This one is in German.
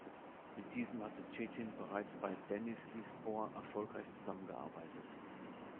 Mit diesem hatte Çetin bereits bei Denizlispor erfolgreich zusammengearbeitet.